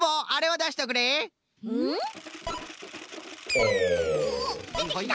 おっでてきた。